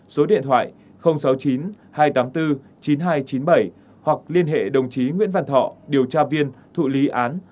số điện thoại sáu mươi chín hai trăm tám mươi bốn chín nghìn hai trăm chín mươi bảy hoặc liên hệ đồng chí nguyễn văn thọ điều tra viên thụ lý án